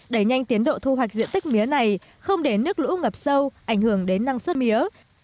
đẩy nhanh tiến độ thu hoạch diện tích mía này không để nước lũ ngập sâu ảnh hưởng đến năng suất mía